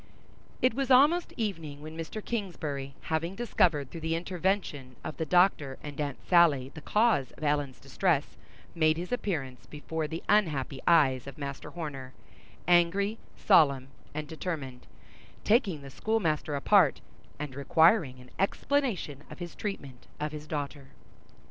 It was almost evening when Mr. Kingsbury, having discovered, through the intervention of the Doctor and Aunt Sally the cause of Ellen's distress, made his appearance before the unhappy eyes of Master Horner, angry, solemn and determined; taking the schoolmaster apart, and requiring, an explanation of his treatment of his daughter.